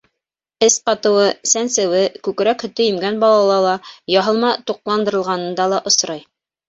Эс ҡатыуы, сәнсеүе күкрәк һөтө имгән балала ла, яһалма туҡландырылғанында ла осрай.